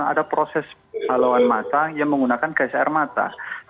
ada proses haluan mata yang menggunakan gas air mata